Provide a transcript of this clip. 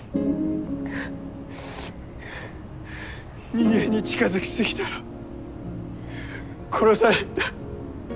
人間に近づきすぎたら殺されるんだ。